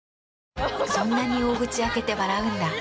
そんなに大口開けて笑うんだ。